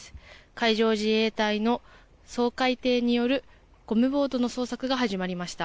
海上自衛隊の掃海艇によるゴムボートの捜索が始まりました。